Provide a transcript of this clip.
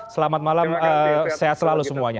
selamat malam sehat selalu semuanya